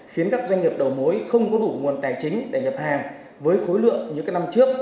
khiến các doanh nghiệp đầu mối không có đủ nguồn tài chính để nhập hàng với khối lượng như các năm trước